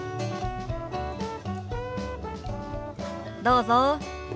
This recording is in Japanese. どうぞ。